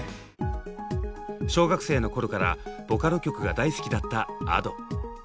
小学生の頃からボカロ曲が大好きだったＡｄｏ。